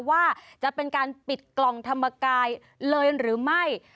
ว่าจะเป็นการปิดกล่องธรรมกายเลยหรือไม่